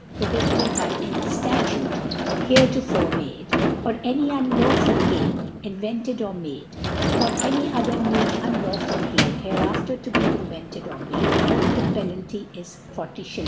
prohibtted^by any Sutute heretofore made, < or >any< unlawful Game invented or made, ,or Any. other new unUwful Game hereaf* tento be invented or^made : the Peoaliy is 40 i.